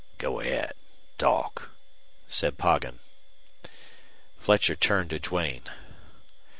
"Go ahead. Talk," said Poggin. Fletcher turned to Duane.